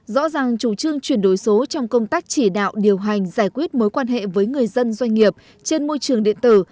rõ ràng chủ trương chuyển đổi số trong công tác chỉ đạo điều hành giải quyết mối quan hệ với người dân doanh nghiệp trên môi trường điện tử